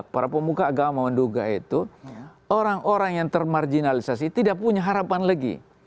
para pemuka agama menduga itu orang orang yang termarginalisasi tidak punya harapan lagi